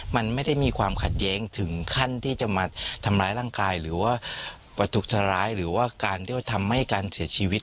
มันไม่ได้มีความขัดแย้งถึงขั้นที่จะมาทำร้ายร่างกายหรือว่าการเข้ามาทำให้การเสียชีวิต